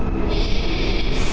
aku akan menang